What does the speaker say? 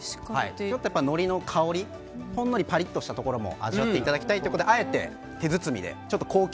のりの香りほんのりとしたところも味わっていただきたいということで、あえて手包みで。